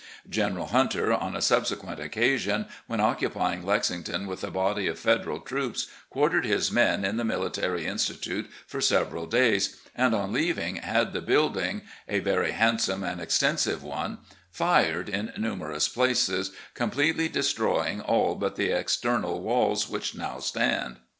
General Hunter, on a subsequent occasion, when occup5dng Lexington •with a body of Federal troops, quartered his men in the Military Institute for several days, and, on lea'ving, had the building — s, very handsome and extensive one — ^fired in numerous places, completely destroying all but the external walls, which now stand.